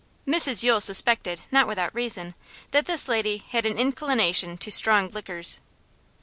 Mrs Yule suspected, not without reason, that this lady had an inclination to strong liquors.